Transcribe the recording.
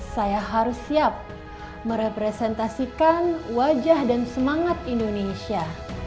saya harus siap merepresentasikan wajah dan semangat indonesia